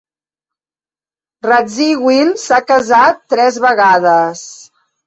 Radziwill s'ha casat tres vegades.